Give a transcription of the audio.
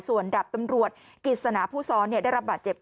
ส่วนดับตำรวจกิจสนาผู้ซ้อนได้รับบาดเจ็บ